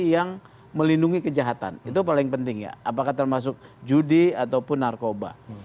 yang melindungi kejahatan itu paling penting ya apakah termasuk judi ataupun narkoba